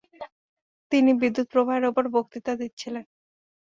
তিনি বিদ্যুৎ–প্রবাহের ওপর বক্তৃতা দিচ্ছিলেন।